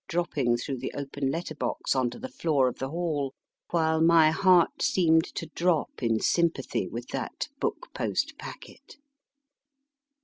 dropping through the open letter box on to the floor of the hall, while my heart seemed to drop in sympathy with that book post packet.